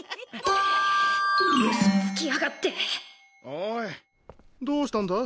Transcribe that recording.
おいどうしたんだ？